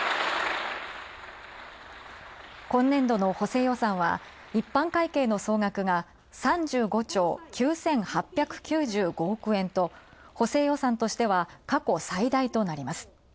今年度の補正予算は、一般会計の総額が３５兆９８９５億円と、補正予算としては過去最大となります。